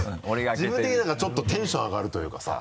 自分的になんかちょっとテンション上がるというかさ。